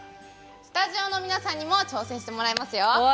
スタジオの皆さんにも挑戦してもらいますよ。